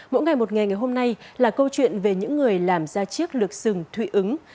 mỗi ngày một nghề ngày hôm nay là câu chuyện về những người làm ra chiếc lược sừng thụy ứng